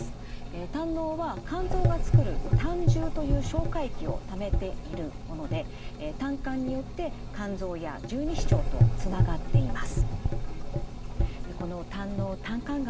胆のうは肝臓がつくる胆汁という消化液をためているもので胆管によって肝臓や十二指腸とつながっています。